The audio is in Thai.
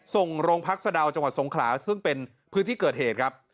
ส่งโรงพักสะดาวจังหวัดสงขลาซึ่งเป็นพื้นที่เกิดเหตุครับ